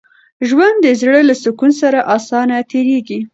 ژوند د زړه له سکون سره اسانه تېرېږي.